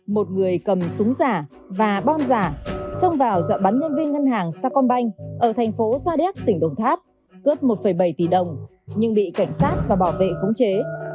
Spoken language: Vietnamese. một người cầm súng giả và bom giả xông vào dọa bắn nhân viên ngân hàng sacombank ở thành phố sa đéc tỉnh đồng tháp cướp một bảy tỷ đồng nhưng bị cảnh sát và bảo vệ khống chế